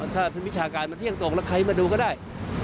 ถ้าวิชาการมันเที่ยงตรงแล้วใครมาดูก็ได้